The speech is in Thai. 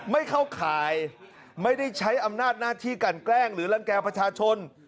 ไม่เข้าข่ายไม่ได้ใช้อำนาจหน้าที่กันแกล้งหรือรังแก่ประชาชน